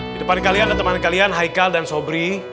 di depan kalian dan teman kalian haikal dan sobri